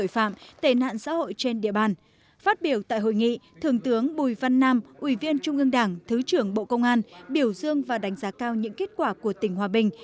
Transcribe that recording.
phát biểu tại hội nghị thượng tướng bùi văn nam ủy viên trung ương đảng thứ trưởng bộ công an biểu dương và đánh giá cao những kết quả của tỉnh hòa bình